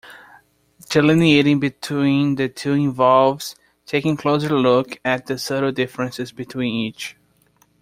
Delineating between the two involves taking closer look at the subtle differences between each.